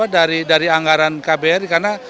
dari anggaran kbr karena